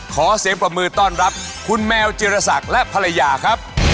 ขอเสียงปรบมือต้อนรับคุณแมวจิรศักดิ์และภรรยาครับ